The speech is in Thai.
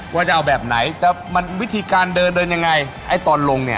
ว่าจะเอาแบบไหนวิธีการเดินยังไงไอ้ตอนลงเนี่ย